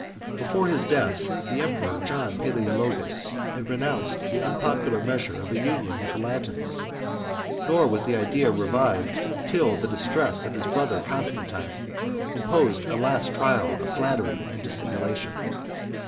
Before his death, the emperor John Palæologus had renounced the unpopular measure of a union with the Latins; nor was the idea revived, till the distress of his brother Constantine imposed a last trial of flattery and dissimulation.